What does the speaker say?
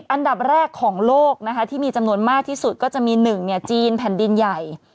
อันดับแรกของโลกนะคะที่มีจำนวนมากที่สุดก็จะมี๑จีนแผ่นดินใหญ่